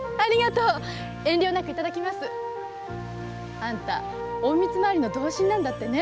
あんた隠密廻りの同心だってね。